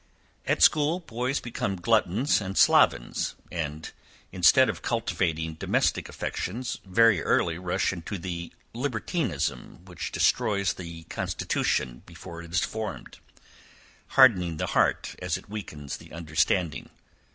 At school, boys become gluttons and slovens, and, instead of cultivating domestic affections, very early rush into the libertinism which destroys the constitution before it is formed; hardening the heart as it weakens the understanding.